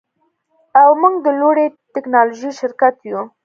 او موږ د لوړې ټیکنالوژۍ شرکت یو